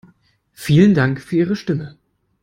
Vielen Dank für Ihre Stimme.